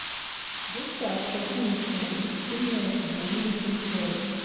Ёсць цяжкая, хімічная і тэкстыльныя галіны прамысловасці.